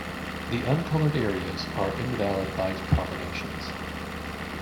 The uncolored areas are invalid byte combinations.